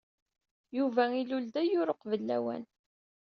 Yuba ilul-d ayyur uqbel lawan.